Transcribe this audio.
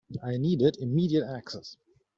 I needed immediate access.